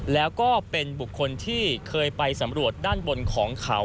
แล้วก็เป็นบุคคลที่เคยไปสำรวจด้านบนของเขา